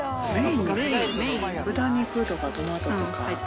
豚肉とかトマトとか。